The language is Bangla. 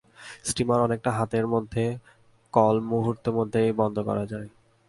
ষ্টীমার অনেকটা হাতের মধ্যে, কল মুহূর্তমধ্যে বন্ধ করা যায়।